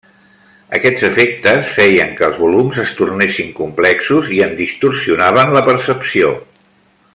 Aquests efectes feien que els volums es tornessin complexos i en distorsionaven la percepció.